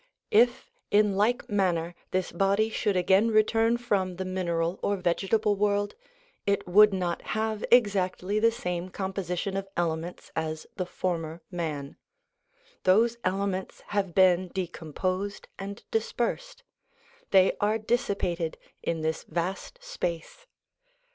If, in like manner, this body should again return from the mineral or vegetable world, it would not have exactly the same composition of elements as the former man; those elements have been decomposed and dispersed; they are dissipated in this vast space.